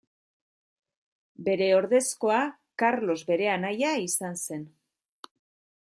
Bere ordezkoa Karlos bere anaia izan zen.